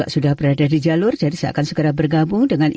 selamat siang bu gat